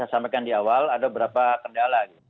saya sampaikan di awal ada berapa kendala